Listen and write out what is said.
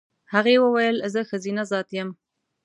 هغې وویل زه ښځینه ذات یم.